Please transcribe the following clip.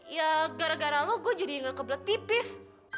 ya gara gara lo gua jadi nggak kebelet pipis